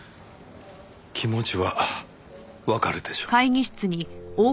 気持ちはわかるでしょう？